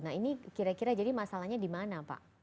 nah ini kira kira jadi masalahnya di mana pak